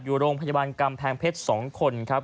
อยู่โรงพยาบาลกำแพงเพชร๒คนครับ